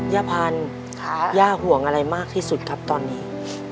ย่าพันธุ์ย่าห่วงอะไรมากที่สุดครับตอนนี้